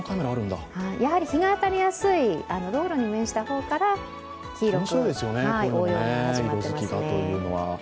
やはり日が当たりやすい道路に面した方から黄色く黄葉が始まっていますね。